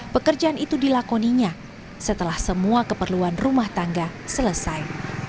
pekerjaan itu dilakoninya setelah semua keperluan rumah tangga selesai